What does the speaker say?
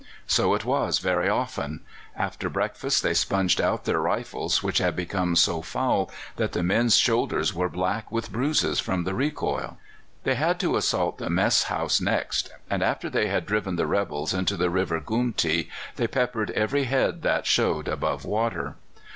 So it was very often. After breakfast they sponged out their rifles, which had become so foul that the men's shoulders were black with bruises from the recoil. They had to assault the mess house next, and after they had driven the rebels into the River Goomtee they peppered every head that showed above water.